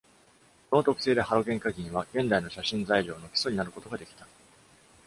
この特性で、ハロゲン化銀は現代の写真材料の基礎になることができた。